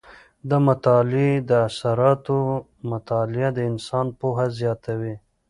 د مطالعې د اثراتو مطالعه د انسان پوهه زیاته وي.